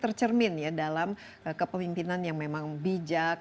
tercermin ya dalam kepemimpinan yang memang bijak